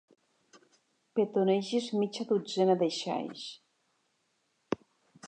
Petonegis mitja dotzena de xais.